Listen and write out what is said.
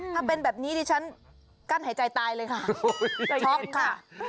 ถ้าเป็นแบบนี้ดิฉันกั้นหายใจตายเลยค่ะช็อกค่ะ